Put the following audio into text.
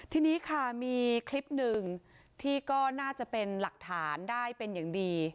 ทีนี้ค่ะมีคลิปหนึ่งที่ก็น่าจะเป็นหลักฐานได้เป็นอย่างดี